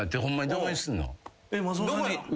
どこにすんの？